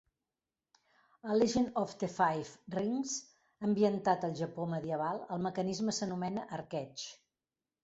A "Legend of the Five Rings", ambientat al japó medieval, el mecanisme s'anomena "arqueig".